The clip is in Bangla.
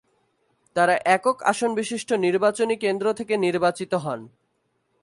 তারা একক-আসনবিশিষ্ট নির্বাচনী কেন্দ্র থেকে নির্বাচিত হন।